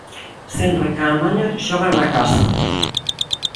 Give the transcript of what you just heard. Senra e Caamaño xogan na casa.